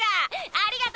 ありがと！